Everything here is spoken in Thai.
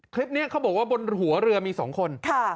คลิปนี้เขาบอกว่าบนหัวเรือมี๒คน